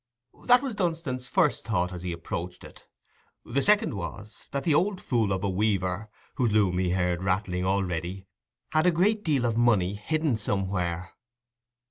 That was Dunstan's first thought as he approached it; the second was, that the old fool of a weaver, whose loom he heard rattling already, had a great deal of money hidden somewhere.